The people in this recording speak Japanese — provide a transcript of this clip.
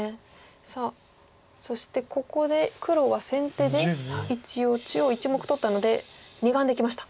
さあそしてここで黒は先手で一応中央１目取ったので２眼できました。